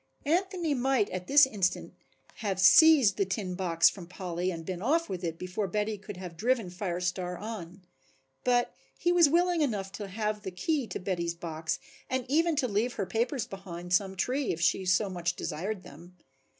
Anthony might at this instant have seized the tin box from Polly and been off with it before Betty could have driven Fire Star on. But he was willing enough to have the key to Betty's box and even to leave her papers behind some tree if she so much desired them.